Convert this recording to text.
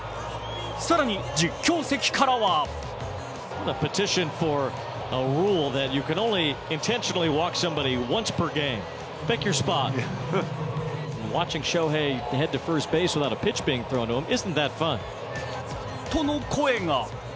更に実況席からはとの声が。